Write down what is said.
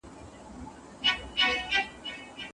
هغه ښځه په خپل کار بوخته ده.